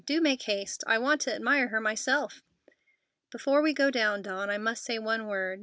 "Do make haste. I want to admire her myself." "Before we go down, Dawn, I must say one word.